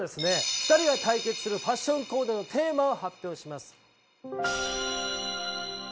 ２人が対決するファッションコーデのテーマを発表します。